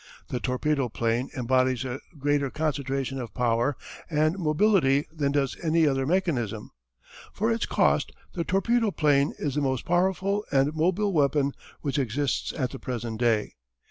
The torpedo plane embodies a greater concentration of power and mobility than does any other mechanism. For its cost, the torpedo plane is the most powerful and mobile weapon which exists at the present day.